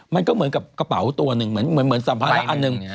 มันก็เหมือนกับกระเป๋าตัวหนึ่งเหมือนสัมภาระอันหนึ่ง